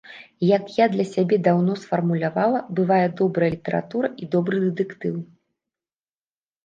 Як я для сябе даўно сфармулявала, бывае добрая літаратура і добры дэтэктыў.